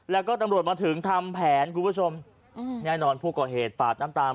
แล้วก็ตำรวจมาถึงทำแผนคุณผู้ชมอืมแน่นอนผู้ก่อเหตุปาดน้ำตาม